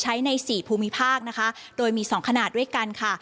ใช้ใน๔ภูมิภาคโดยมี๒ขนาดด้วยกันค่ะ